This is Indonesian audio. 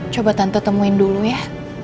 coba tante temuin dulu ya